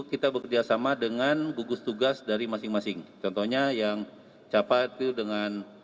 kita bekerjasama dengan gugus tugas dari masing masing contohnya yang capai itu dengan